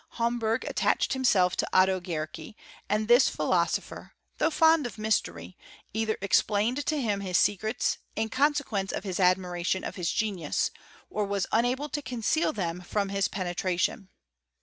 Homberg attached himself to Otto Guericke, and this philosopher, though fond of mystery, either explained to him his secrets, in consequence of his admiration of his genius, or was unable to conceal. them from his penetration.